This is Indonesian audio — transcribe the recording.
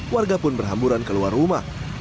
warga pun berhamburan keluar rumah